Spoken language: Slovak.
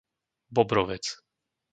Bobrovec